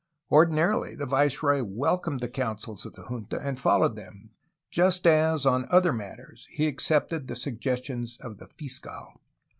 Ordin arily the viceroy welcomed the coun sels of the junta and followed them, just as on other matters he accepted the suggestions of the fiscal.